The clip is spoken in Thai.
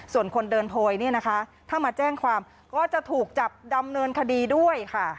ส่วนคนเดินโพยเนี่ยนะคะถ้ามาแจ้งความก็จะถูกจับดำเนินคดีด้วยค่ะ